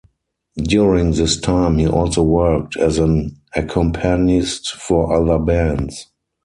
During this time, he also worked as an accompanist for other bands.